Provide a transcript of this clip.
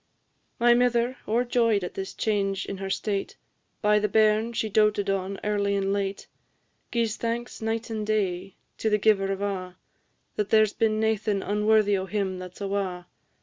My mither, o'erjoy'd at this change in her state, By the bairn she doated on early and late, Gi'es thanks night and day to the Giver of a', There 's been naething unworthy o' him that 's awa'!